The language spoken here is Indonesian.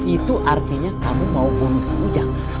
itu artinya kamu mau bunuh si ujang